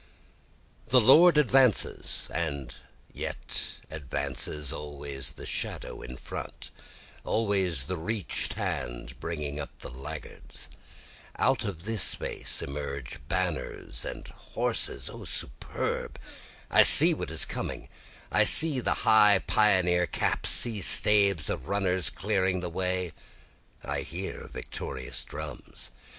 4 The Lord advances, and yet advances, Always the shadow in front, always the reach'd hand bringing up the laggards. Out of this face emerge banners and horses O superb! I see what is coming, I see the high pioneer caps, see staves of runners clearing the way, I hear victorious drums.